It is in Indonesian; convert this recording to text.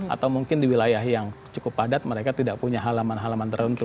atau mungkin di wilayah yang cukup padat mereka tidak punya halaman halaman tertentu